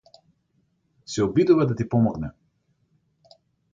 Се обидува да ти помогне.